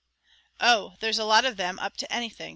"Oh! there's a lot of them up to anything.